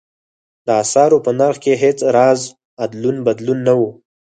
د اسعارو په نرخ کې هېڅ راز ادلون بدلون نه و.